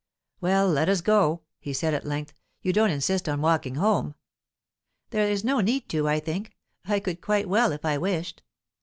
"Well, let us go," he said at length. "You don't insist on walking home?" "There is no need to, I think. I could quite well, if I wished."